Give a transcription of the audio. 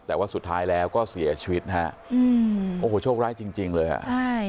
แต่ว่าสุดท้ายแล้วก็เสียชีวิตนะฮะอืมโอ้โหโชคร้ายจริงจริงเลยอ่ะใช่